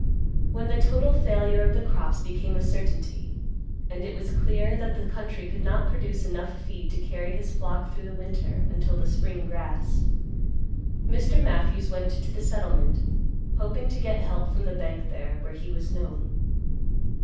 When the total failure of the crops became a certainty, and it was clear that the country could not produce enough feed to carry his flock through the winter until the spring grass, Mr. Matthews went to the settlement hoping to get help from the bank there, where he was known.